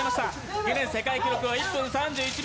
ギネス世界記録は１分３１秒。